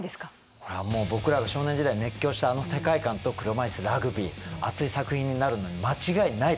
これは僕らが少年時代熱狂したあの世界観と車いすラグビー熱い作品になるのに間違いないですね。